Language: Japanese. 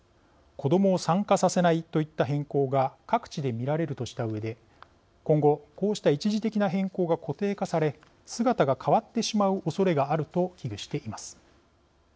子どもを参加させないといった変更が各地で見られるとしたうえで今後こうした一時的な変更が固定化され姿が変わってしまうおそれがあると危惧しています。